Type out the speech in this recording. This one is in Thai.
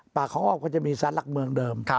ป่าครองอ้อมก็จะมีสารรักเมืองเดิม